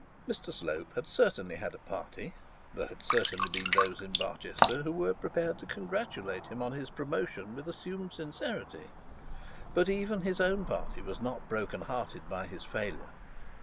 Mr Slope had certainly had a party; there had certainly been those in Barchester who were prepared to congratulate him on his promotion with assumed sincerity, but even his own party were not broken hearted by his failure.